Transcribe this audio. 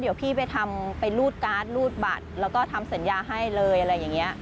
เดี๋ยวพี่ไปทำไปรูดการ์ดรูดบัตรแล้วก็ทำสัญญาให้เลยอะไรอย่างนี้